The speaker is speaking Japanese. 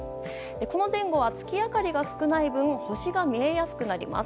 この前後は月明かりが少ない分星が見えやすくなります。